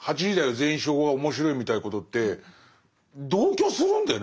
全員集合」は面白いみたいなことって同居するんだよね。